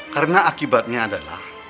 karena akibatnya adalah